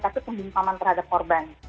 tapi pembentangan terhadap korban